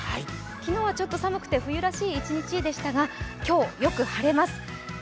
昨日はちょっと寒くて冬らしい１日でしたが今日、よく晴れます。